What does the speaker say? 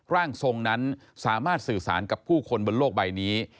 ร่างทรงนั้นสามารถสื่อสารกับผู้คนบนโลกใบนี้